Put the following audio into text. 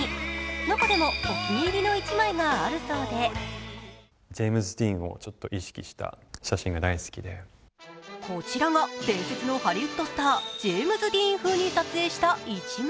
中でも、お気に入りの１枚があるそうでこちらが、伝説のハリウッドスタージェームズ・ディーン風に撮影した一枚。